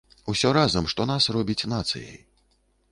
Усё разам, што нас робіць нацыяй.